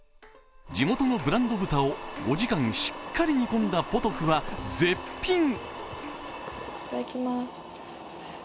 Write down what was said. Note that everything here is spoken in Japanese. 地元のブランド豚を５時間しっかり煮込んだポトフは絶品。